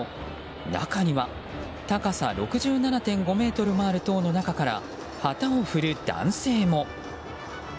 中には、高さ６７．５ｍもある塔の中から旗を振る男性も。